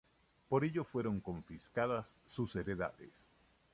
Por ello fueron confiscadas sus heredades.